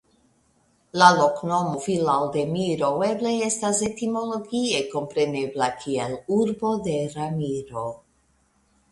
La loknomo "Villaldemiro" eble estas etimologie komprenebla kiel "Urbo de Ramiro".